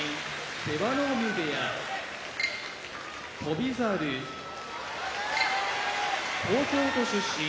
出羽海部屋翔猿東京都出身